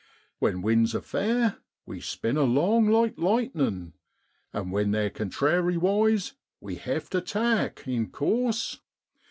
When winds are fair we spin along like lightnin', and when they're contrariwise we hev to tack, in course.